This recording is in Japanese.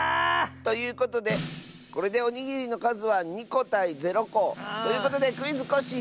ということでこれでおにぎりのかずは２こたい０こ。ということで「クイズ！コッシー」